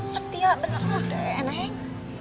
setia beneran neng